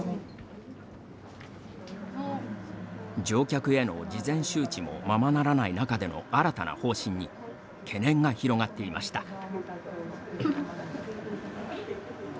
乗客への事前周知もままならない中での新たな方針に懸念が広がっていました。